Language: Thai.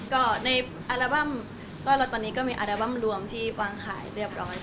ก็ในอัลบั้มก็ตอนนี้ก็มีอัลบั้มรวมที่วางขายเรียบร้อย